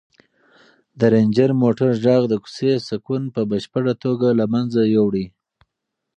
د رنجر موټر غږ د کوڅې سکون په بشپړه توګه له منځه یووړ.